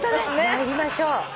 参りましょう。